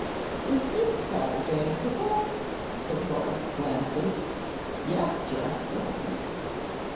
"Is this Saturday, Pipo?" said Sir Horace, blandly. "Yes, your Excellency."